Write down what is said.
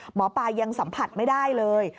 หมอปลายังสัมผัสไม่ได้เลย